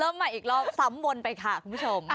เริ่มใหม่อีกรอบซ้ำวนไปค่ะคุณผู้ชม